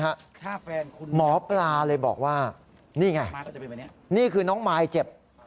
หมอปลาเลยบอกว่านี่ไงนี่คือน้องมายเจ็บ